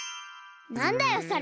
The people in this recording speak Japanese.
なんだよそれ！